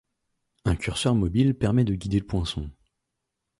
Un curseur mobile permet de guider le poinçon.